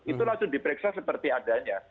itu langsung diperiksa seperti adanya